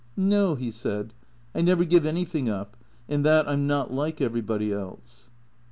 " No/' he said. " I never give anything up. In that I 'm not like everybody else."